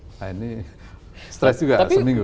nah ini stres juga seminggu